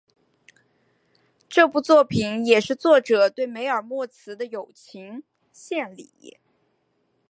这部作品也是作者对梅尔莫兹的友情献礼。